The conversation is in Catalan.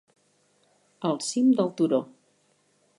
Al cim del turó.